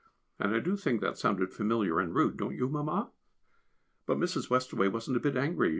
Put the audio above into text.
and I do think that sounded familiar and rude, don't you, Mamma? but Mrs. Westaway wasn't a bit angry.